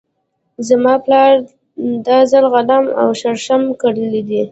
زما پلار دا ځل غنم او شړشم کرلي دي .